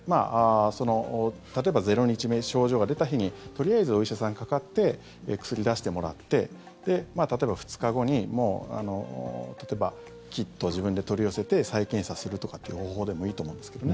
例えば０日目、症状が出た日にとりあえずお医者さんにかかって薬出してもらって例えば２日後に例えばキットを自分で取り寄せて再検査するとかという方法でもいいと思うんですけどね。